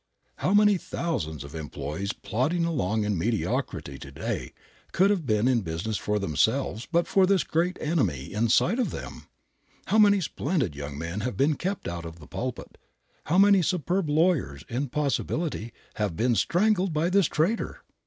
How many thousands of employees plodding along in mediocrity to day could have been in business for themselves but for this great enemy inside of them! How many splendid young men have been kept out of the pulpit, how many superb lawyers, in possibility, have been strangled by this traitor!